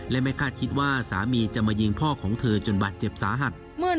และไม่คาดคิดว่าสามีจะมายิงพ่อของเธอจนบาดเจ็บสาหัส